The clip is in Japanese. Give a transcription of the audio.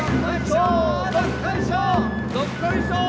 どっこいしょー